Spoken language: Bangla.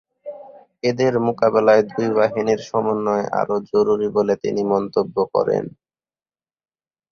এদের মোকাবিলায় দুই বাহিনীর সমন্বয় আরও জরুরি বলে তিনি মন্তব্য করেন।